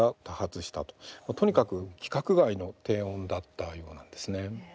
とにかく規格外の低音だったようなんですね。